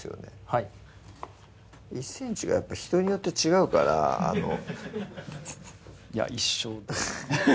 はい１ｃｍがやっぱ人によって違うからいや一緒です